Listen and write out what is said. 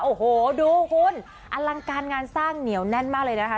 โอ้โหดูคุณอลังการงานสร้างเหนียวแน่นมากเลยนะคะ